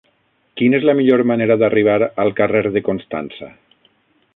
Quina és la millor manera d'arribar al carrer de Constança?